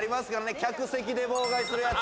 客席で妨害するやつ。